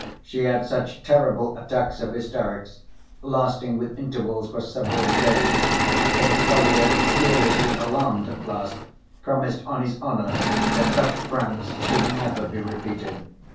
She had such terrible attacks of hysterics, lasting with intervals for several days, that Kolya, seriously alarmed at last, promised on his honor that such pranks should never be repeated.